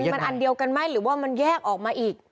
มันอันเดียวกันไหมหรือว่ามันแยกออกมาอีก